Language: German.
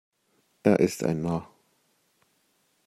Er ist ein Narr.